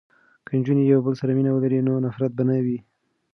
که نجونې یو بل سره مینه ولري نو نفرت به نه وي ځای.